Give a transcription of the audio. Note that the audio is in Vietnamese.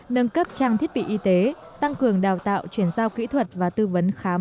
nâng cấp trang thiết bị y tế tăng cường đào tạo chuyển giao kỹ thuật và tư vấn khám